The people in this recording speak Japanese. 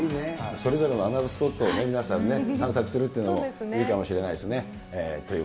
それぞれの穴場スポットをね、皆さんね、散策するっていうのもいいかもしれないですね。